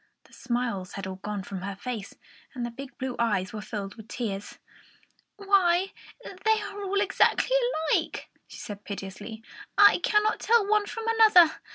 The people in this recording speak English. The smiles had all gone from her face, and the big blue eyes were filled with tears. "Why, they are all exactly alike!" she said piteously. "I cannot tell one from another."